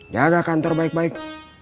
jaga kantor baik baik